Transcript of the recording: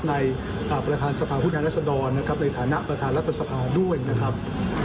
ในประธานสภาผู้แทนรัศดรนะครับในฐานะประธานรัฐสภาด้วยนะครับ